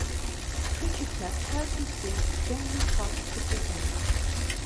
"Creature Tech" has received generally positive reviews.